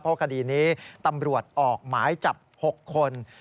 เพราะคดีนี้ตำรวจออกหมายจับ๖คน